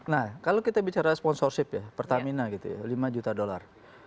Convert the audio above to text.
nah kalau kita bicara sponsorship ya pertamina gitu ya lima juta dolar